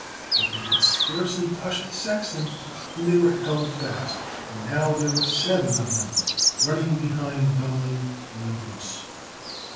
But they had scarcely touched the sexton when they were held fast, and now there were seven of them running behind Dummling and the goose.